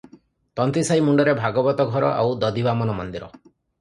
ତନ୍ତୀସାଇ ମୁଣ୍ତରେ ଭାଗବତ ଘର ଆଉ ଦଧିବାମନ ମନ୍ଦିର ।